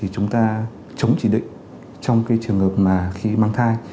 chúng ta chống chỉ định trong trường hợp mà khi mang thai